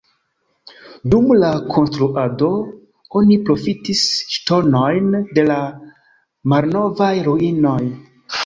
Dum la konstruado oni profitis ŝtonojn de la malnovaj ruinoj.